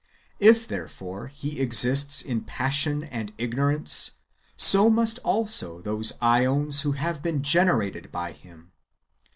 If therefore He exists in passion and ignorance, so must also those JEons who have been generated by Him.